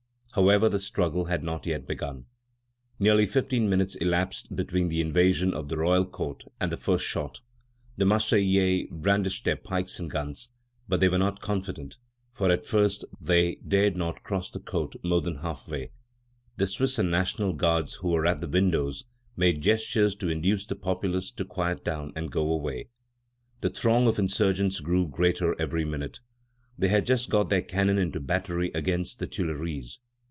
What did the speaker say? However, the struggle had not yet begun. Nearly fifteen minutes elapsed between the invasion of the Royal Court and the first shot. The Marseillais brandished their pikes and guns, but they were not confident, for at first they dared not cross the court more than half way. The Swiss and National Guards who were at the windows made gestures to induce the populace to quiet down and go away. The throng of insurgents grew greater every minute. They had just got their cannon into battery against the Tuileries.